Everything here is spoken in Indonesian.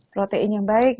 protein yang baik